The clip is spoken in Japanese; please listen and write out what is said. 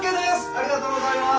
ありがとうございます。